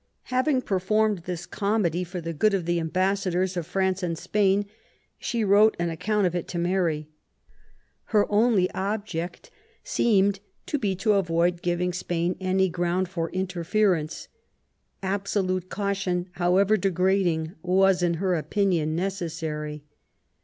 Having performed this comedy for the good of the ambassadors of France and Spain, she wrote an account of it to Mary. Her only object seemed to be to avoid giving Spain any ground for interference. Absolute caution, however degrading, was, in her opinion, necessary.